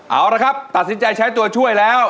เอาละครับตัดสินใจใช้ตัวช่วยแล้ว